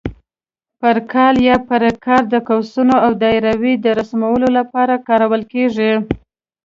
پر کال یا پر کار د قوسونو او دایرو د رسمولو لپاره کارول کېږي.